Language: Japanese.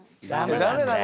ダメだね。